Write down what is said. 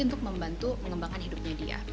untuk membantu mengembangkan hidupnya dia